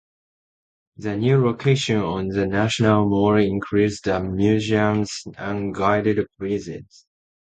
The new location on the National Mall increased the museum's unguided visits.